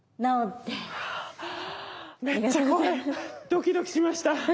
ドキドキしました。